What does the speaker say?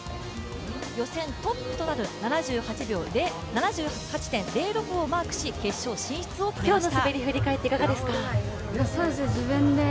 予選トップとなる７８．０６をマークし、決勝進出を決めました。